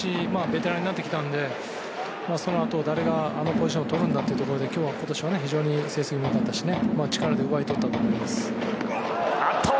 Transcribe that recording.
ベテランになってきたんでその後、誰があのポジションを取ることで今年は非常に成績もよかったし力で奪い取ったと思います。